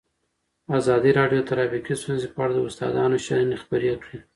ازادي راډیو د ټرافیکي ستونزې په اړه د استادانو شننې خپرې کړي.